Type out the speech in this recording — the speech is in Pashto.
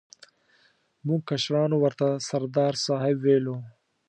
موږ کشرانو ورته سردار صاحب ویلو.